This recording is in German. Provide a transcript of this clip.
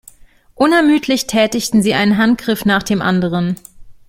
Unermüdlich tätigen sie einen Handgriff nach dem anderen.